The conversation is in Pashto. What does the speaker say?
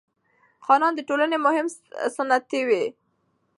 خانان د ټولنې مهم ستنې وې.